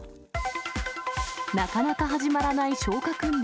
なかなか始まらない消火訓練。